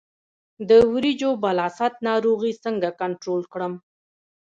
د وریجو بلاست ناروغي څنګه کنټرول کړم؟